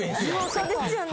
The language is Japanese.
そうですよね。